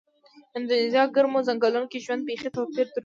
د اندونیزیا ګرمو ځنګلونو کې ژوند بېخي توپیر درلود.